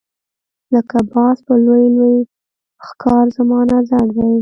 لکه باز په لوی لوی ښکار زما نظر دی.